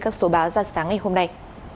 từ báo ra sáng ngày hôm nay